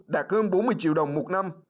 đạt hơn bốn mươi triệu đồng một năm